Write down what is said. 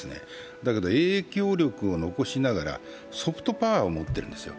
だけど影響力を残しながらソフトパワーを持ってるんですよ。